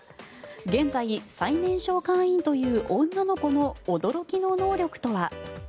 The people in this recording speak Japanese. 現在、最年少会員という女の子の驚きの能力とは。